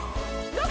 どこ？